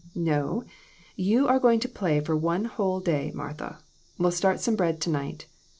" No, you are going to play for one whole day, Martha. We'll start some bread to night.